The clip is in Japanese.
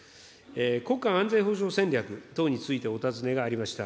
国家安全保障戦略等についてお尋ねがありました。